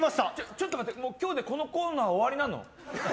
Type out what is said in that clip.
ちょっと待って今日でこのコーナー終わりなの？